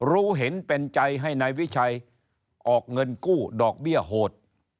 รู้เห็นเป็นใจให้นายวิชัยออกเงินกู้ดอกเบี้ยโหด